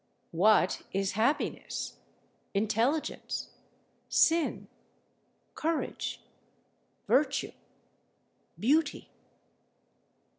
What is happiness? Intelligence? Sin? Courage? Virtue? Beauty?